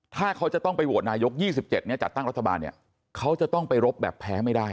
ถ้าเขาจะต้องไปโหวตนายก๒๗เนี่ยจัดตั้งรัฐบาลเนี่ยเขาจะต้องไปรบแบบแพ้ไม่ได้